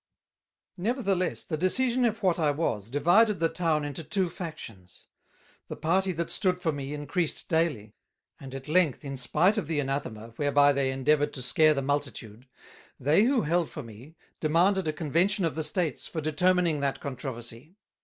Nevertheless, the decision of what I was, divided the Town into Two Factions. The party that stood for me encreased daily; and at length in spight of the Anathema, whereby they endeavoured to scare the multitude: They who held for me, demanded a Convention of the States, for determining that Controversie.